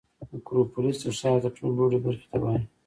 اکروپولیس د ښار تر ټولو لوړې برخې ته وایي.